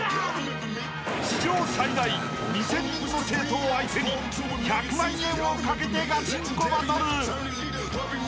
［史上最大２，０００人の生徒を相手に１００万円を懸けてガチンコバトル！］